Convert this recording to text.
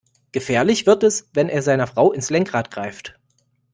Gefährlich wird es, wenn er seiner Frau ins Lenkrad greift.